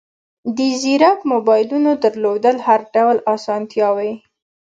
د زیرک موبایلونو درلودل هر ډول اسانتیاوې